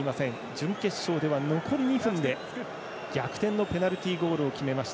準決勝では、残り２分で逆転のペナルティゴールを決めました。